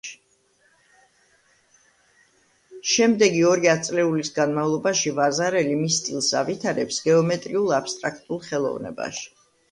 შემდეგი ორი ათწლეულის განმავლობაში ვაზარელი მის სტილს ავითარებს გეომეტრიულ აბსტრაქტულ ხელოვნებაში.